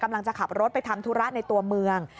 กำลังจะขับรถไปทำธุระในตัวเมือง